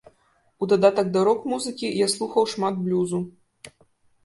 У дадатак да рок-музыкі я слухаў шмат блюзу.